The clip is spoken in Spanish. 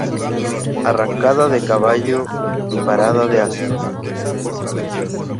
Arrancada de caballo y parada de asno.